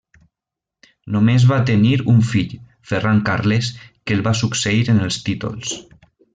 Només va tenir un fill, Ferran Carles, que el va succeir en els títols.